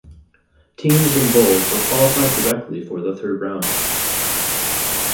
Teams in bold were qualified directly for the third round.